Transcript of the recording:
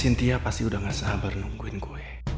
cynthia pasti sudah gak sabar menunggu aku